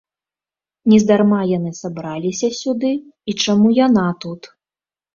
Нездарма яны сабраліся сюды, і чаму яна тут?